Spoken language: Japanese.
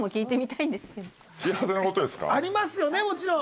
ありますよねもちろん。